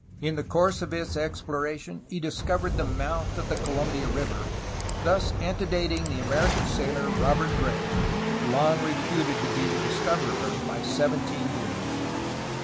In the course of his exploration he discovered the mouth of the Columbia River, thus ante dating the American sailor Robert Gray, long reputed the discoverer, by seventeen years.